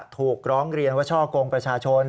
ถูกร้องเรียนว่าช่อกงประชาชน